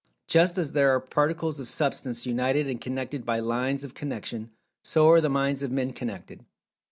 Just as are the Particles of Substance united and connected by "lines" of connection, so are the minds of Men connected.